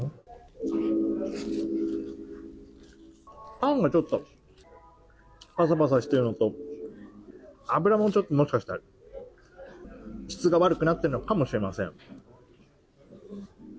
パンがちょっとぱさぱさしてるのと油もちょっと、もしかしたら質が悪くなってるのかもしれません。